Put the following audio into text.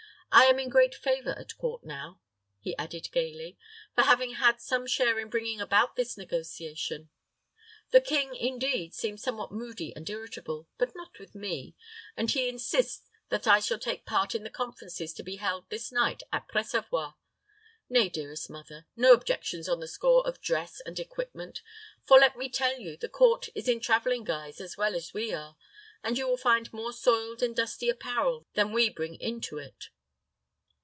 I am in great favor at court now," he added, gayly, "for having had some share in bringing about this negotiation. The king, indeed, seems somewhat moody and irritable, but not with me; and he insists that I shall take part in the conferences to be held this night at Pressavoix. Nay, dearest mother; no objections on the score of dress and equipment; for, let me tell you, the court is in traveling guise as well as we are, and you will find more soiled and dusty apparel there than we bring into it."